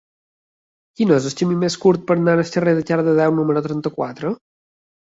Quin és el camí més curt per anar al carrer de Cardedeu número trenta-quatre?